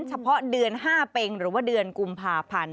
เฉพาะเดือน๕เป็งหรือว่าเดือนกุมภาพันธ์